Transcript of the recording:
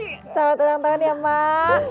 selamat ulang tahun ya mbak